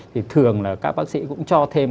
thì thường là các bác sĩ cũng cho thêm